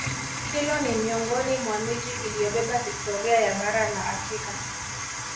Kilwa ni miongoni mwa miji iliyobeba historia ya Bara la Afrika